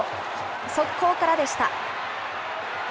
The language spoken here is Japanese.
速攻からでした。